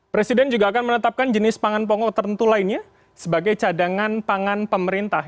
presiden juga akan menetapkan jenis pangan pokok tertentu lainnya sebagai cadangan pangan pemerintah